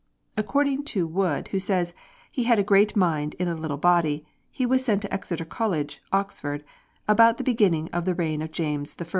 According to Wood, who says "he had a great mind in a little body," he was sent to Exeter College, Oxford, "about the beginning of the reign of James I."